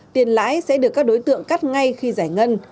tiền lãi sẽ được các đối tượng cắt ngay khi giải ngân